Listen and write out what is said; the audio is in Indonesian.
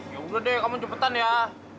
ya udah deh kamu cepetan ya